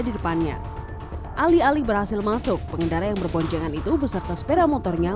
di depannya alih alih berhasil masuk pengendara yang berboncengan itu beserta sepeda motornya